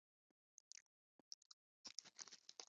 عامه چارې د ټولنې پر راتلونکي اغېز لري.